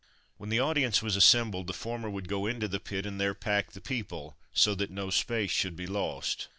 When the audience was assembled, the former would go into the pit and there pack the people, so that no space should be lost.